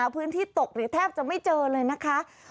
พื้นที่ตกหรือแทบจะไม่เจอเลยนะคะ